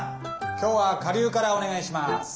今日は下流からお願いします。